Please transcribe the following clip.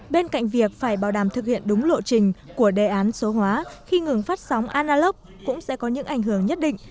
bên cạnh việc phải bảo đảm thực hiện đúng lộ trình của đề án số hóa khi ngừng phát sóng analock cũng sẽ có những ảnh hưởng nhất định